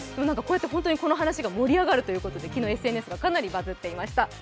本当にこの話が盛り上がるということで昨日、ＳＮＳではかなりバズっていました。